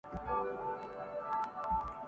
کہ خارِ خشک کو بھی دعویِ چمن نسبی ہے